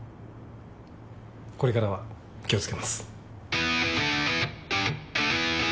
これからは気をつけます。